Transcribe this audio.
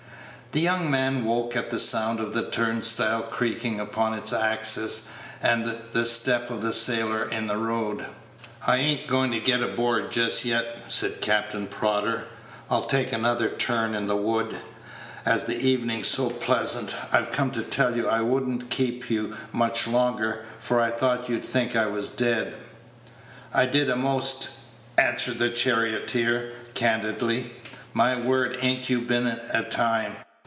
The young man woke at the sound of the turnstile creaking upon its axis, and the step of the sailor in the road. "I a'n't goin' to get aboard just yet," said Captain Prodder; "I'll take another turn in the wood, as the evenin's so pleasant. I come to tell you I would n't keep you much longer, for I thought you'd think I was dead." "I did a'most," answered the charioteer, candidly. "My word, a'n't you been a time!"